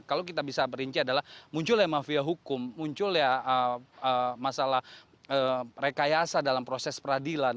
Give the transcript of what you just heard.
kalau kita bisa perinci adalah munculnya mafia hukum munculnya masalah rekayasa dalam proses peradilan